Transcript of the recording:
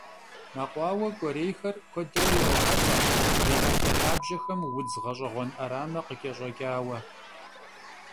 Мэкъуауэ кӏуэрейхэр куэдрэ ирохьэлӏэ я ӏэтэ лъабжьэхэм удз гъэщӏэгъуэн ӏэрамэ къыкӏэщӏэкӏауэ.